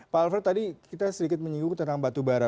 pak alfred tadi kita sedikit menyinggung tentang batubara